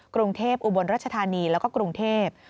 กรุงเทพอุบลรัชธานีแล้วก็กรุงเทพ